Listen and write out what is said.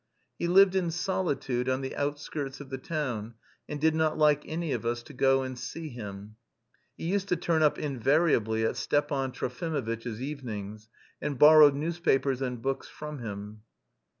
He lived in solitude on the outskirts of the town, and did not like any of us to go and see him. He used to turn up invariably at Stepan Trofimovitch's evenings, and borrowed newspapers and books from him.